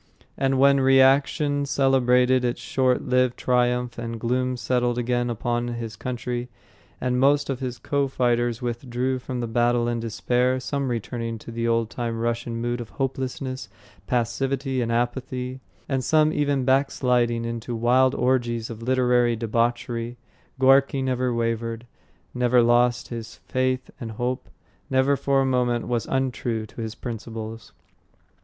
And when reaction celebrated its short lived triumph and gloom settled again upon his country and most of his co fighters withdrew from the battle in despair, some returning to the old time Russian mood of hopelessness, passivity and apathy, and some even backsliding into wild orgies of literary debauchery, Gorky never wavered, never lost his faith and hope, never for a moment was untrue to his principles.